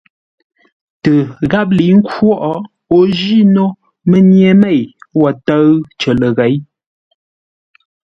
Tə gháp lə̌i khwóʼ, o ji no mənye mêi wo tə́ʉ cər ləghěi.